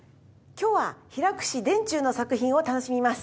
今日は平櫛田中の作品を楽しみます。